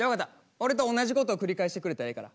俺とおんなじことを繰り返してくれたらええから。